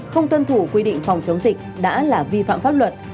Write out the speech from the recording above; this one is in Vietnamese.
không tuân thủ quy định phòng chống dịch đã là vi phạm pháp luật